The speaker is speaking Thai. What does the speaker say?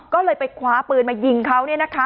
ก็เลยไปคว้าปืนมายิงเขาเนี่ยนะคะ